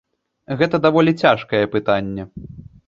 Гэта даволі цяжкае пытанне.